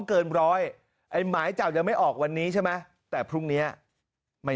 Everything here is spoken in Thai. เกินร้อยไอ้หมายจับยังไม่ออกวันนี้ใช่ไหมแต่พรุ่งเนี้ยไม่